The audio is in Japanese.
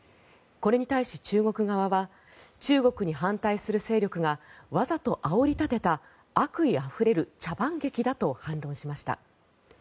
これに対し、中国側は中国に反対する勢力がわざとあおり立てた悪意あふれる茶番劇だと反論しました。